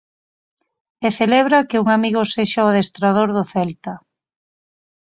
E celebra que un amigo sexa o adestrador do Celta.